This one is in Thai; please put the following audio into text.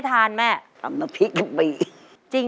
ตัวเลือกที่สอง๘คน